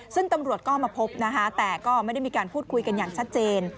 ซึ่งตำรวจก็มาพบนะคะแต่ก็ไม่ได้มีการพูดคุยกันอย่างชัดเจน